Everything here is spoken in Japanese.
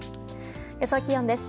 予想気温です。